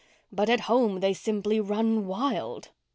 But at home they simply run wild."